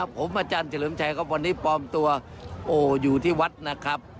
ผมอาจารย์เฉลิมชัยครับวันนี้ปลอมตัวอยู่ที่วัดนะครับ